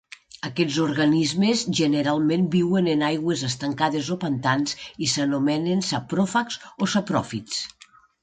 Aquests organismes generalment viuen en aigües estancades o pantans i s'anomenen sapròfags o sapròfits.